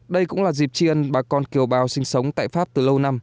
đây cũng là dịp tri ân bà con kiều bào sinh sống tại pháp từ lâu năm